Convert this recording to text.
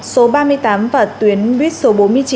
số ba mươi tám và tuyến buýt số bốn mươi chín